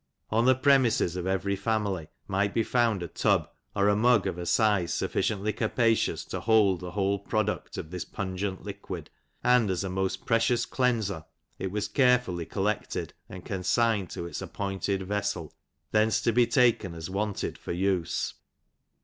On the premises of every family might be found a tub, or a mug of a size sufficiently capacious to hold the whole product of this pungent liquid, and as a most precious cleanser, it was carefully collected and consigned to its appointed vessel, thence to be taken as wanted for use.